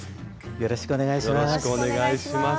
よろしくお願いします。